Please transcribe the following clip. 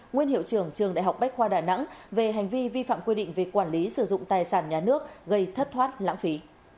nguyên hiệu trưởng trường đại học bách khoa đà nẵng về hành vi vi phạm quy định về quản lý sử dụng tài sản nhà nước gây thất thoát lãng phí